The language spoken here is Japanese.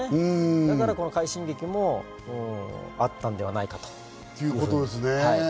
だからこの快進撃もあったのではないかということですね。